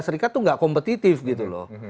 serikat itu nggak kompetitif gitu loh